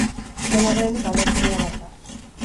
Dena den, balentria bat da.